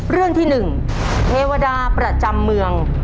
เรื่องที่๑เทวดาประจำเมือง